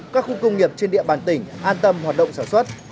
các khu công nghiệp trên địa bàn tỉnh an tâm hoạt động sản xuất